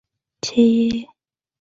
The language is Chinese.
朱高炽遣人驰谕立即发廪赈贷。